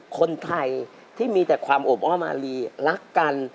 คนไทยที่มีแต่ความโอบอ้อมอารีรักกัน